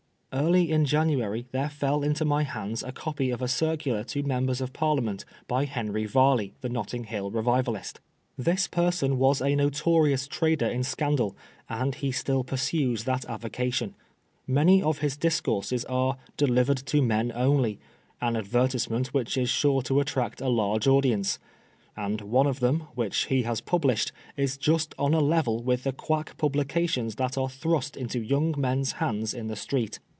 Early in January there fell into my hands a copy of a circular to Members of Parliament by Henry Varley, the Netting Hill revivalist. This person was a notorious trader in scandal, and he still pursues that avocation. Many of his discourses are " delivered to men only," an advertisement which is sure to attract a large audi ence ; and one of them, which he has published, is just on a level with the quack publications that are thrust into young men's hands in the street.